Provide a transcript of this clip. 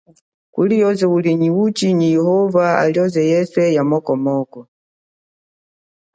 Ulie, uzale, nyi uchi nyi yehova yeswe ili ya moko moko.